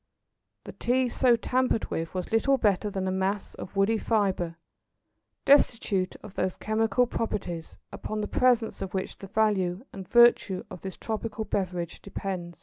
The Tea so tampered with was little better than a mass of woody fibre, destitute of those chemical properties upon the presence of which the value and virtue of this tropical beverage depend.